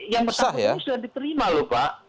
yang bersangkutan ini sudah diterima loh pak